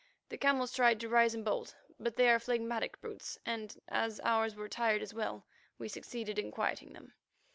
The camels tried to rise and bolt, but they are phlegmatic brutes, and, as ours were tired as well, we succeeded in quieting them.